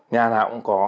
nhà nào cũng có